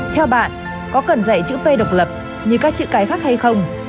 theo bạn có cần dạy chữ p độc lập như các chữ cái khác hay không